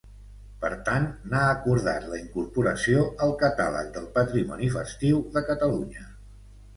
Per tant, n'ha acordat la incorporació al Catàleg del Patrimoni Festiu de Catalunya.